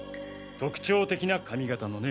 特徴的な髪型のね。